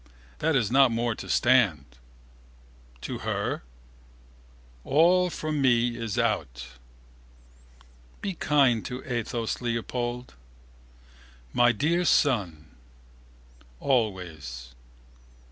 that is not more to stand... to her... all for me is out... be kind to Athos, Leopold... my dear son... always...